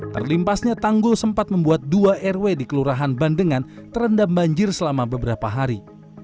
terlimpasnya tanggul sempat membuat dua rw di kelurahan bandengan terendam banjir selama beberapa hari